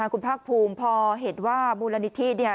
คุณภาคภูมิพอเห็นว่ามูลนิธิเนี่ย